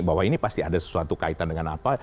bahwa ini pasti ada sesuatu kaitan dengan apa